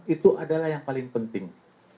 itu adalah yang paling penting